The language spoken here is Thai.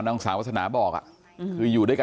นางมอนก็บอกว่า